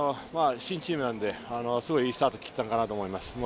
新チームなので、すごくいいスタートを切ったかなと思います。